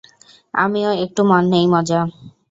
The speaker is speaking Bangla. আমিও একটু নেই মজা?